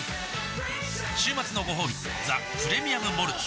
週末のごほうび「ザ・プレミアム・モルツ」